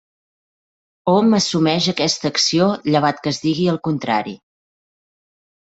Hom assumeix aquesta acció llevat que es digui el contrari.